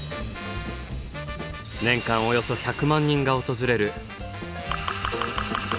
年間およそ１００万人が訪れる。